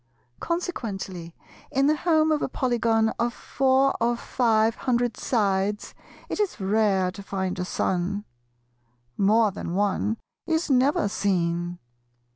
Consequently in the home of a Polygon of four or five hundred sides it is rare to find a son; more than one is never seen.